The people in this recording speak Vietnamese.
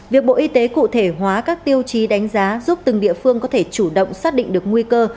việc bộ y tế cụ thể hóa các tiêu chí đánh giá giúp từng địa phương có thể chủ động xác định được nguy cơ